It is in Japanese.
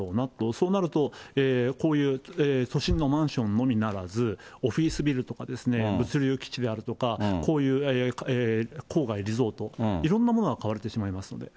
そうなると、こういう都心のマンションのみならず、オフィスビルとか、物流基地であるとか、こういう郊外リゾート、いろんなものが買われてしまいますので。